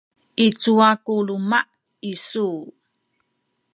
i cuwa ku luma’ isu?